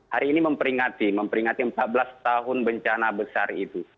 hari ini memperingati memperingati empat belas tahun bencana besar itu